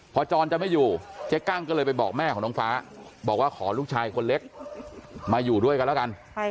พอจรจะไม่อยู่เจ๊กั้งก็เลยไปบอกแม่ของน้องฟ้าบอกว่าขอลูกชายคนเล็กมาอยู่ด้วยกันแล้วกัน